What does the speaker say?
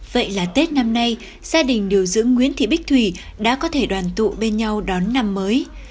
vậy là tết năm nay gia đình điều dưỡng nguyễn thị bích thủy đã có thể đoàn tụ bên nhau đón năm mới